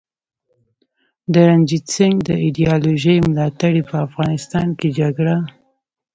د رنجیت سینګ د ایډیالوژۍ ملاتړي په افغانستان کي جګړه